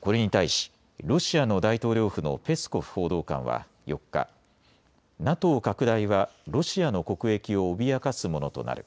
これに対しロシアの大統領府のペスコフ報道官は４日、ＮＡＴＯ拡大はロシアの国益を脅かすものとなる。